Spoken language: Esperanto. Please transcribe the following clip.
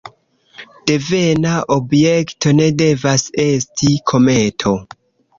Devena objekto ne devas esti kometo.